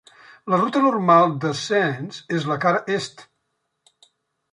La ruta normal d'ascens és la cara est.